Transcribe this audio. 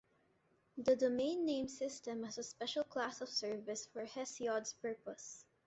The Domain Name System has a special class of service for Hesiod's purpose.